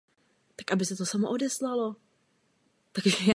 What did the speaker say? Druhý singl byl "That Song in My Head".